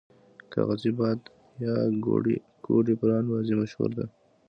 کاغذی باد یا ګوډی پران بازی مشهوره ده.